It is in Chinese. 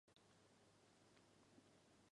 后王佩英又提出书面退党申请。